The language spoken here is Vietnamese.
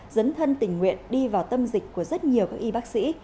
dấn thân tình nguyện đi vào tâm dịch của rất nhiều các y bác sĩ